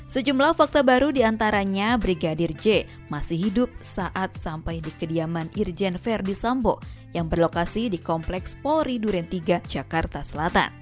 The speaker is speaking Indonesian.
sejumlah fakta baru diantaranya brigadir j masih hidup saat sampai di kediaman irjen verdi sambo yang berlokasi di kompleks polri duren tiga jakarta selatan